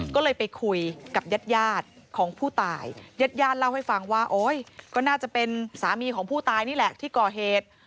ก็เลยไปคุยกับญาติยาดของผู้ตายญาติญาติเล่าให้ฟังว่าโอ๊ยก็น่าจะเป็นสามีของผู้ตายนี่แหละที่ก่อเหตุ